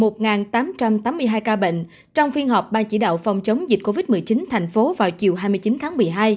ca bệnh trong phiên họp ban chỉ đạo phòng chống dịch covid một mươi chín thành phố vào chiều hai mươi chín tháng một mươi hai